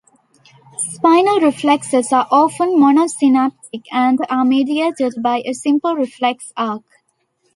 Spinal reflexes are often monosynaptic and are mediated by a simple reflex arc.